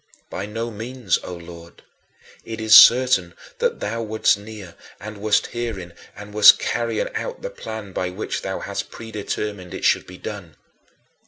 By no means, O Lord. It is certain that thou wast near and wast hearing and wast carrying out the plan by which thou hadst predetermined it should be done.